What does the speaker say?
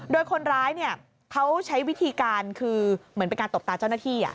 โดยคนร้ายเขาใช้วิธีการคือเหมือนเป็นการตบตาเจ้าหน้าที่